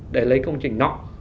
để lấy công trình nó